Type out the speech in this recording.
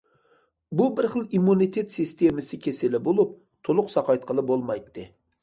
بۇ بىر خىل ئىممۇنىتېت سىستېمىسى كېسىلى بولۇپ، تولۇق ساقايتقىلى بولمايتتى.